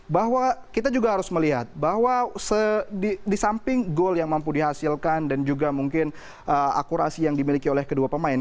bahwa kita juga harus melihat bahwa di samping gol yang mampu dihasilkan dan juga mungkin akurasi yang dimiliki oleh kedua pemain